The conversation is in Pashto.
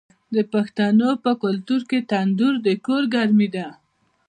د پښتنو په کلتور کې تندور د کور ګرمي ده.